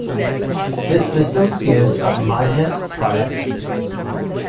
This system gives a homogeneous product.